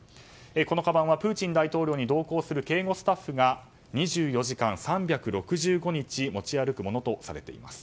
このかばんはプーチン大統領に同行する警護スタッフが２４時間３６５日持ち歩くものとされています。